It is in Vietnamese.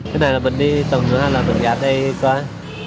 cái này là mình đi tầm nữa hay là mình gặp đây coi